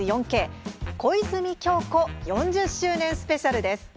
「小泉今日子４０周年スペシャル」です。